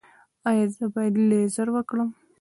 ایا زه باید لیزر وکړم؟